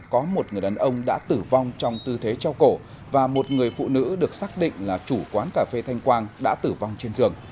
có một người đàn ông đã tử vong trong tư thế trao cổ và một người phụ nữ được xác định là chủ quán cà phê thanh quang đã tử vong trên giường